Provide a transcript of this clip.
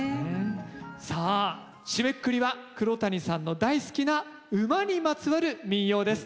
さあ締めくくりは黒谷さんの大好きな馬にまつわる民謡です。